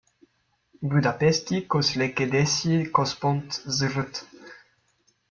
Budapesti Közlekedési Központ Zrt.